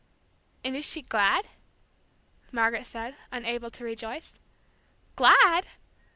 "And is she glad?" Margaret said, unable to rejoice. "Glad?"